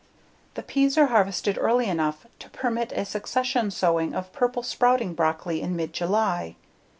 The peas are harvested early enough to permit a succession sowing of Purple Sprouting broccoli in mid July.